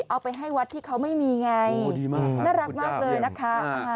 เอาไปให้วัดที่เขาไม่มีไงน่ารักมากเลยนะคะ